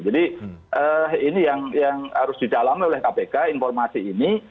jadi ini yang harus didalam oleh kpk informasi ini